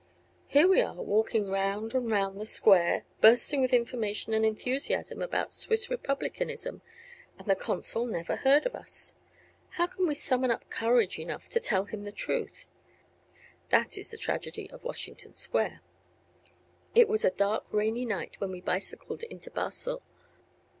Here we are, walking round and round the Square, bursting with information and enthusiasm about Swiss republicanism, and the consul never heard of us. How can we summon up courage enough to tell him the truth? That is the tragedy of Washington Square. It was a dark, rainy night when we bicycled into Basel.